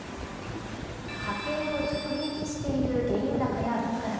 家計を直撃している原油高や物価高。